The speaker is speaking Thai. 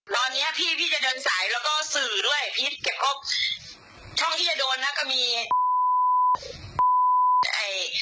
ตอนนี้พี่จะเดินสายแล้วก็สื่อด้วยช่องที่จะโดนแล้วก็มี